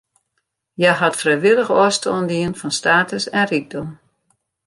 Hja hat frijwillich ôfstân dien fan status en rykdom.